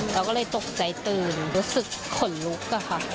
เราก็เลยตกใจตื่นรู้สึกขนลุกอะค่ะ